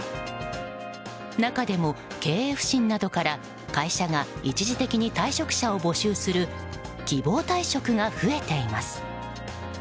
中でも経営不振などから会社が一時的に退職者を募集する希望退職が増えています。